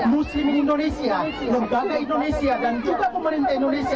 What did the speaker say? muslim indonesia roga indonesia dan juga pemerintah indonesia